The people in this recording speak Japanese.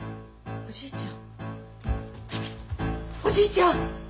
おじいちゃん！